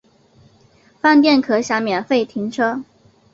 饭店可享免费停车